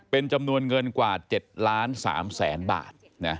เป็นจำนวนเงินกว่า๗ล้าน๓แสนบาท